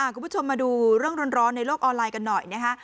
คุณผู้ชมมาดูเรื่องร้อนในโลกออนไลน์กันหน่อยนะคะ